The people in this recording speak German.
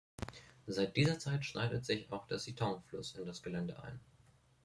Seit dieser Zeit schneidet sich auch der Sittoung-Fluss in das Gelände ein.